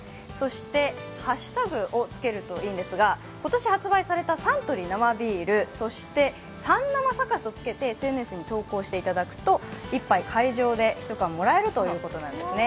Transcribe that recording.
ハッシュタグをつけるといいんですが、今年発売されたサントリー生ビールそして、サン生サカスと付けてＳＮＳに投稿していただくと１杯会場で１缶もらえるということなんですね。